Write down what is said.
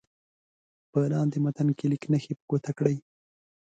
په لاندې متن کې لیک نښې په ګوته کړئ.